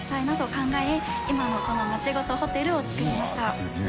今のこのまちごとホテルを作りました。